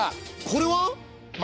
これは？